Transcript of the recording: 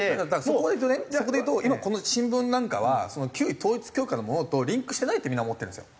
そこでいうと今この新聞なんかは旧統一教会のものとリンクしてないってみんな思ってるんですよ。